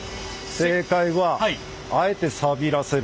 正解はあえてさびらせる。